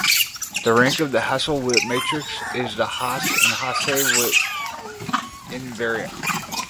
The rank of the Hasse-Witt matrix is the Hasse or Hasse-Witt invariant.